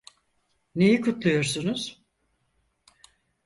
Neyi kutluyorsunuz?